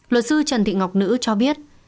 luật sư trần thị ngọc nữ cho biết